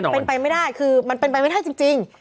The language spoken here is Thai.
เป็นไปไม่ได้คือมันเป็นไปไม่ได้จริง